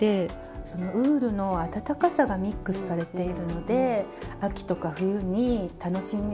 そのウールの温かさがミックスされているので秋とか冬に楽しみやすいですよね。